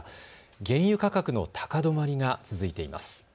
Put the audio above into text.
原油価格の高止まりが続いています。